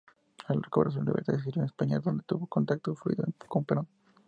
Al recobrar su libertad se exilió en España, donde tuvo contacto fluido con Perón.